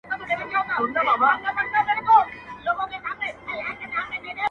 چي اغیار یې بې ضمیر جوړ کړ ته نه وې!!